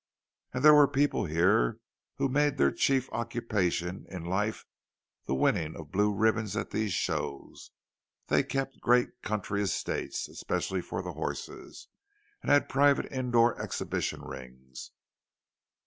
And there were people here who made their chief occupation in life the winning of blue ribbons at these shows. They kept great country estates especially for the horses, and had private indoor exhibition rings.